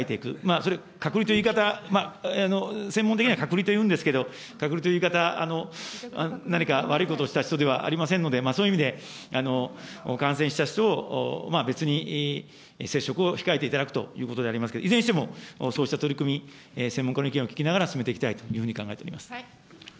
それ、隔離という言い方、専門的には隔離というんですけど、隔離という言い方、何か悪いことをした人ではありませんので、そういう意味で感染した人を別に接触を控えていただくということでありますけれども、いずれにしてもそうした取り組み、専門家の意見を聞きながら進めていきたいというふうに考えております。